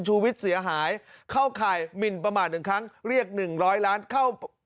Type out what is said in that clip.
ชูวิทย์เสียหายเข้าข่ายหมินประมาท๑ครั้งเรียก๑๐๐ล้านเข้า